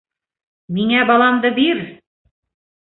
- Миңә баламды бир!